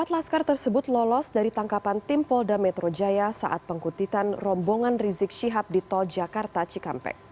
empat laskar tersebut lolos dari tangkapan tim polda metro jaya saat pengkutitan rombongan rizik syihab di tol jakarta cikampek